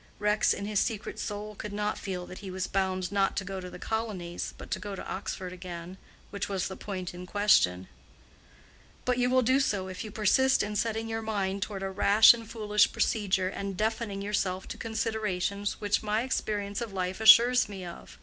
Rex in his secret soul could not feel that he was bound not to go to the colonies, but to go to Oxford again—which was the point in question. "But you will do so if you persist in setting your mind toward a rash and foolish procedure, and deafening yourself to considerations which my experience of life assures me of.